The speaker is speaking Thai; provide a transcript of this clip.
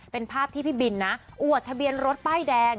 เป็นภาพที่พี่บินนะอวดทะเบียนรถป้ายแดง